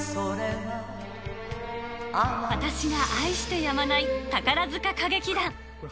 私が愛してやまない宝塚歌劇団。